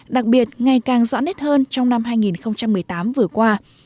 đặc biệt ngày càng rõ nét hơn trong năm hai nghìn một mươi tám vừa qua